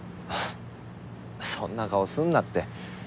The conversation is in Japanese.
そんな顔すんなって。